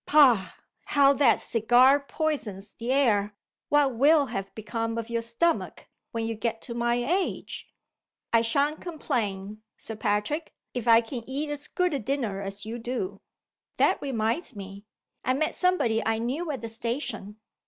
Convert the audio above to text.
Pah! how that cigar poisons the air! What will have become of your stomach when you get to my age?" "I sha'n't complain, Sir Patrick, if I can eat as good a dinner as you do." "That reminds me! I met somebody I knew at the station.